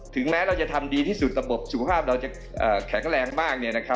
แม้เราจะทำดีที่สุดระบบสุขภาพเราจะแข็งแรงมาก